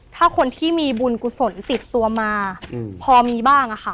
ถ้าคนที่มีบุญกุศลติดตัวมาพอมีบ้างอะค่ะ